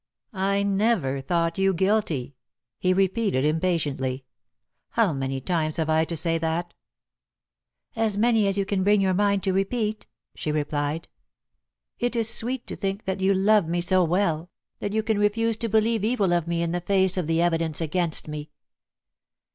"I never thought you guilty," he repeated impatiently. "How many times have I to say that?" "As many as you can bring your mind to repeat," she replied. "It is sweet to think that you love me so well, that you can refuse to believe evil of me in the face of the evidence against me."